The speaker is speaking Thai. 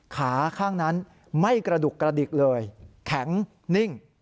ขาข้างนั้นไม่กระดุกกระดิกเลยแข็งนิ่ง